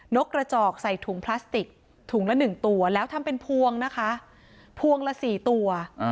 กระจอกใส่ถุงพลาสติกถุงละ๑ตัวแล้วทำเป็นพวงนะคะพวงละ๔ตัว